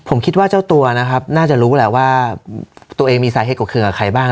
ผมคิดว่าเจ้าตัวนะครับน่าจะรู้แหละว่าตัวเองมีสาเหตุกว่าเครือกับใครบ้าง